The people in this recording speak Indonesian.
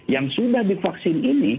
yang sudah divaksin ini